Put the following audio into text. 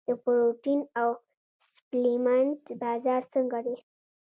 د پروټین او سپلیمنټ بازار څنګه دی؟